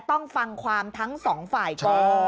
ต้องฟังความทั้งสองฝ่ายก่อน